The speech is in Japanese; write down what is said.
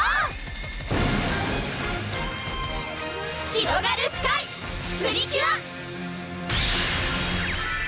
ひろがるスカイ！プリキュア！